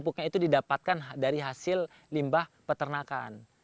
pupuknya itu didapatkan dari hasil limbah peternakan